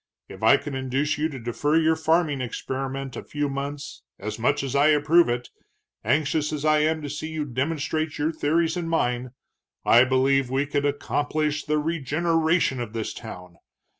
If I could induce you to defer your farming experiment a few months, as much as I approve it, anxious as I am to see you demonstrate your theories and mine, I believe we could accomplish the regeneration of this town.